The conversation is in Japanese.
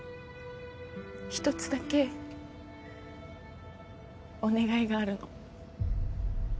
ひとつだけお願いがあるの。